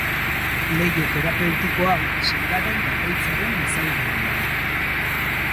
Leiho terapeutiko hau sendagai bakoitzaren ezaugarria da.